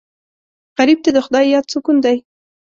غریب ته د خدای یاد سکون دی